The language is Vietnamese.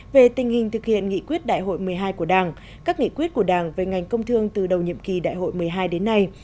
về tình hình thực hiện nghị quyết đại hội một mươi hai của đảng các nghị quyết của đảng về ngành công thương từ đầu nhiệm kỳ đại hội một mươi hai đến nay